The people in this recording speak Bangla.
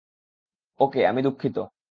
ওকে, আমি দুঃখিত।